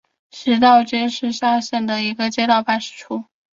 石街道是下辖的一个街道办事处。